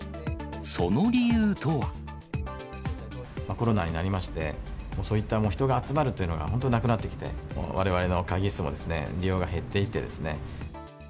コロナになりまして、そういった人が集まるっていうのが本当なくなってきて、われわれの会議室も利用が減っていってですね。